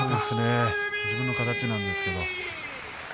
自分の形なんですが。